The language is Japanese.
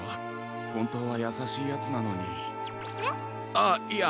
あっいや